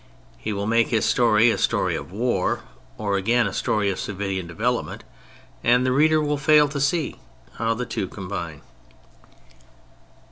He will make his story a story of war, or again, a story of civilian development, and the reader will fail to see how the two combine.